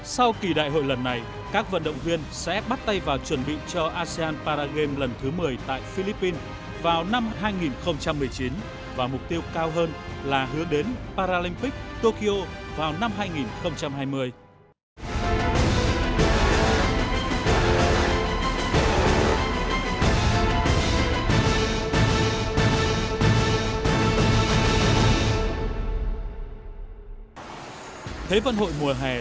sau kỷ đại hội lần này các vận động viên sẽ bắt tay vào chuẩn bị cho asean paragame lần thứ một mươi tại philippines vào năm hai nghìn một mươi chín và mục tiêu cao hơn là hứa đến paralympic tokyo vào năm hai nghìn hai mươi